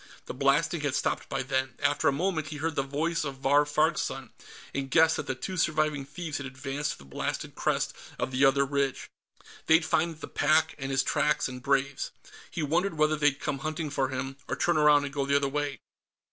The blasting had stopped by then; after a moment, he heard the voice of Vahr Farg's son, and guessed that the two surviving thieves had advanced to the blasted crest of the other ridge. They'd find the pack, and his tracks and Brave's. He wondered whether they'd come hunting for him, or turn around and go the other way.